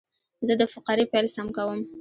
زه د فقرې پیل سم کوم.